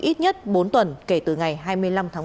ít nhất bốn tuần kể từ ngày hai mươi năm tháng một